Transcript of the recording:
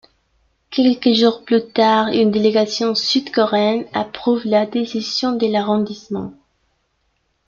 Quelques jours plus tard, une délégation sud-coréenne approuve la décision de l'arrondissement.